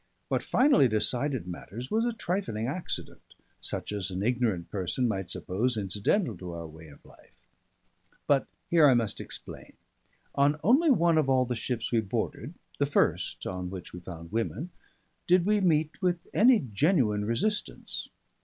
What finally decided matters was a trifling accident, such as an ignorant person might suppose incidental to our way of life. But here I must explain: on only one of all the ships we boarded, the first on which we found women, did we meet with any genuine resistance.